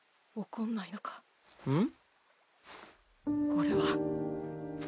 俺は。